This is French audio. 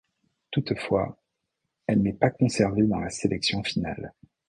Toutefois, elle n'est pas conservée dans la sélection finale.